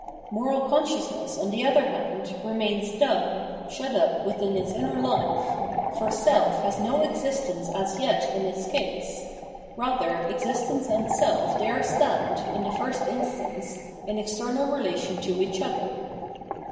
Moral consciousness, on the other hand, remains dumb, shut up within its inner life ; for self has no existence * v.p. oi2 ff. 662 Phenomenology of Mind as yet in its case : rather existence and self there stand, in the first instance, in external relation to each other.